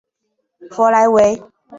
弗莱维。